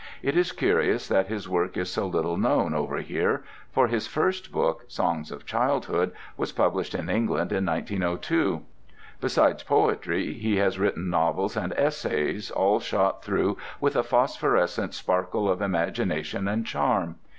It is curious that his work is so little known over here, for his first book, "Songs of Childhood," was published in England in 1902. Besides, poetry he has written novels and essays, all shot through with a phosphorescent sparkle of imagination and charm.